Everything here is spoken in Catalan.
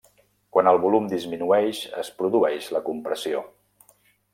Quan el volum disminueix es produeix la compressió.